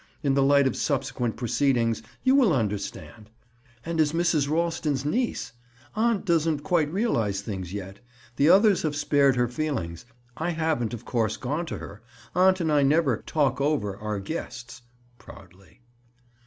"In the light of subsequent proceedings, you will understand! And as Mrs. Ralston's niece! Aunt doesn't quite realize things yet. The others have spared her feelings. I haven't, of course, gone to her. Aunt and I never 'talk over' our guests." Proudly.